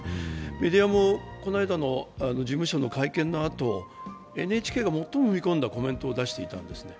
メディアもこの間の事務所の会見のあと、ＮＨＫが最も踏み込んだコメントを出していたんですね。